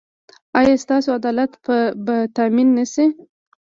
ایا ستاسو عدالت به تامین نه شي؟